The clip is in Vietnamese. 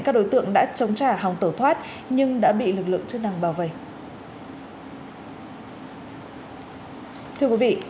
các đối tượng đã chống trả hòng tổ thoát nhưng đã bị lực lượng chức năng bảo vệ